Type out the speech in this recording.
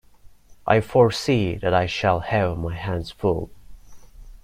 I foresee that I shall have my hands full.